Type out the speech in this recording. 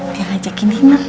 dia ngajakin diman